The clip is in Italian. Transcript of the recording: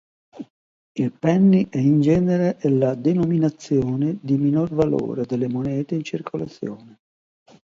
Il penny è in genere la denominazione di minor valore delle monete in circolazione.